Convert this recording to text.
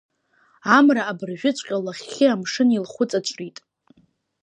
Амра абыржәыҵәҟьа лахьхьи амшын илхәыҵаҵәрит.